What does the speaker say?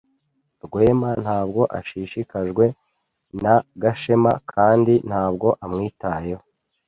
Rwema ntabwo ashishikajwe na Gashema kandi ntabwo amwitayeho.